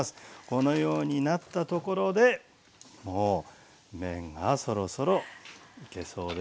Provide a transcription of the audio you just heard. このようになったところでもう麺がそろそろいけそうですよね。